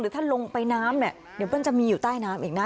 ถ้าลงไปน้ำเนี่ยเดี๋ยวมันจะมีอยู่ใต้น้ำอีกนะ